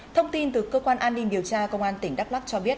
thông tin từ cơ quan an ninh điều tra công an tỉnh đắk lắc cho biết